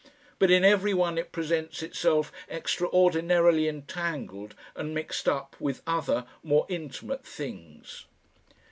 But in every one it presents itself extraordinarily entangled and mixed up with other, more intimate things.